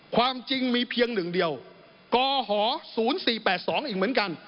ความจริงมีเพียงหนึ่งเดียวกห๐๔๘๒อีกเหมือนกัน